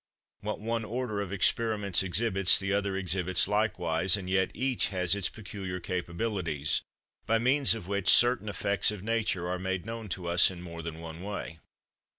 What one order of experiments exhibits the other exhibits likewise, and yet each has its peculiar capabilities, by means of which certain effects of nature are made known to us in more than one way.